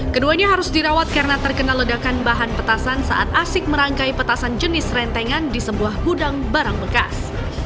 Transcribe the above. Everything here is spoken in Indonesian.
keduanya harus dirawat karena terkena ledakan bahan petasan saat asik merangkai petasan jenis rentengan di sebuah gudang barang bekas